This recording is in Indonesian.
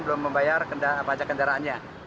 belum membayar pajak kendaraannya